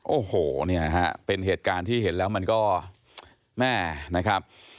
โอ้โหเนี่ยฮะเป็นเหตุการณ์ที่เห็นแล้วมันก็แม่นะครับ